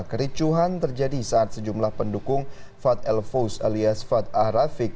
kericuhan terjadi saat sejumlah pendukung fad el fous alias fad ahrafiq